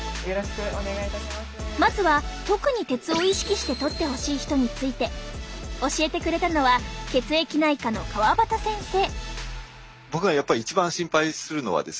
まずは特に鉄を意識してとってほしい人について教えてくれたのは血液内科の川端先生